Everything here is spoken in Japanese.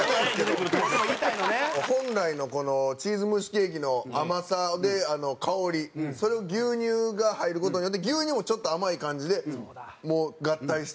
本来のこのチーズ蒸しケーキの甘さで香りそれを牛乳が入る事によって牛乳もちょっと甘い感じでもう合体して食べるっていう。